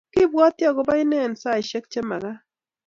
Kibwotii agoba inne eng saishek chemagaat